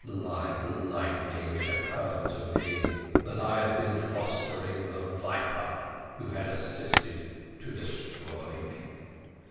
"Like lightning it occurred to me that I had been fostering the viper who had assisted to destroy me.